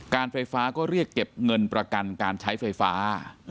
การไฟฟ้าก็เรียกเก็บเงินประกันการใช้ไฟฟ้า